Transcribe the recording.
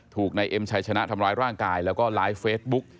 นายเอ็มชัยชนะทำร้ายร่างกายแล้วก็ไลฟ์เฟซบุ๊ก